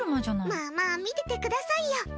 まあまあ見ててくださいよ。